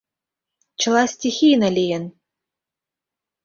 Чыла стихийно лийын.